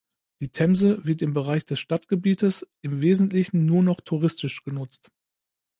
Die Themse wird im Bereich des Stadtgebietes im Wesentlichen nur noch touristisch genutzt.